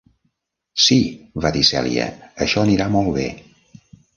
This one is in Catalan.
"Sí", va dir Celia, "això anirà molt bé".